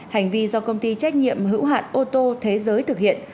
hành vi do công ty trách nhiệm hữu hạn ô tô thế giới thực hiện